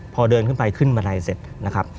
พอเดินขึ้นไปขึ้นบันไดเสร็จนะครับ